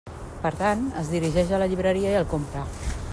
Per tant, es dirigeix a la llibreria i el compra.